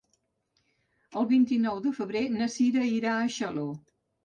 El vint-i-nou de febrer na Cira irà a Xaló.